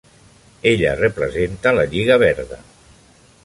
Ella representa la Lliga verda.